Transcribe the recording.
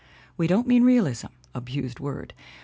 We don't mean realism abused word!